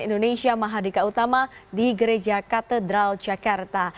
indonesia mahadika utama di gereja katedral jakarta